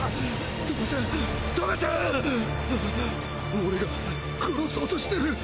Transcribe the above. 俺が殺そうとしてる！